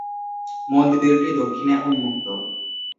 মন্দিরটি দক্ষিণে উন্মুক্ত।